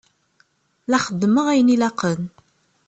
La xeddmeɣ ayen ilaqen.